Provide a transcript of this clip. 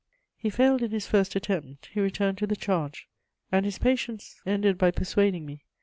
] He failed in his first attempt; he returned to the charge, and his patience ended by persuading me.